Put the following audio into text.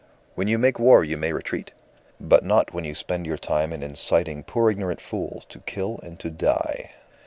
When you make war you may retreat, but not when you spend your time in inciting poor ignorant fools to kill and to die."